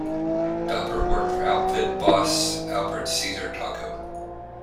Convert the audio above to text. Dauber worked for Outfit boss Albert Caesar Tocco.